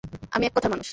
আমি এক কথার মানুষ।